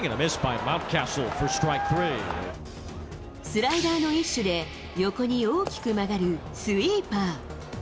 スライダーの一種で、横に大きく曲がるスイーパー。